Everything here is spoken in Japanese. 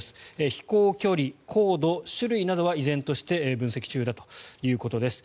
飛行距離、高度、種類などは依然として分析中だということです。